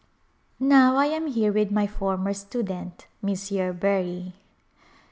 Now I am here with my former student, Miss Yerbury.